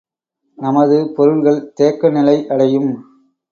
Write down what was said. நமது பொருள்கள் தேக்க நிலை அடையும்.